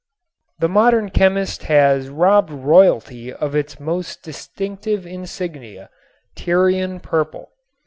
The modern chemist has robbed royalty of its most distinctive insignia, Tyrian purple.